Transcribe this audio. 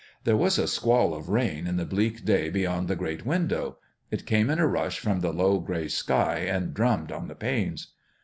There was a squall of rain in the bleak day be yond the great window. It came in a rush from the low gray sky and drummed on the panes.